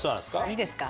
いいですか。